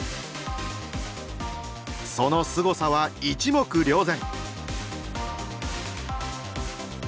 そのすごさは一目瞭然。